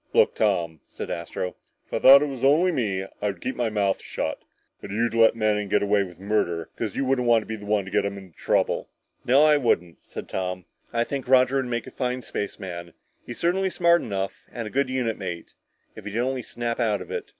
"Look, Tom," said Astro, "if I thought it was only me I'd keep my mouth shut. But you'd let Manning get away with murder because you wouldn't want to be the one to get him into trouble." "No, I wouldn't," said Tom. "I think Roger would make a fine spaceman; he's certainly smart enough, and a good unit mate if he'd only snap out of it.